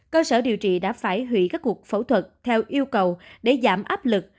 cơ sở điều trị đã phải hủy các cuộc phẫu thuật theo yêu cầu để giảm áp lực